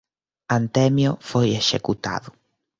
Antemio foi executado.